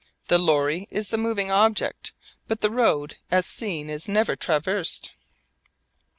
The lorry is the moving object. But the road as seen is never traversed.